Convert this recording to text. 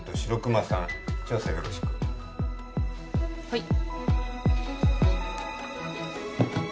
はい。